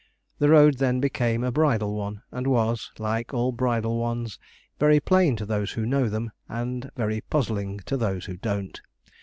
The road then became a bridle one, and was, like all bridle ones, very plain to those who know them, and very puzzling to those who don't.